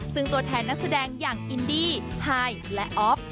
ซึ่งตัวแทนนักแสดงอย่างอินดี้ไฮและออฟ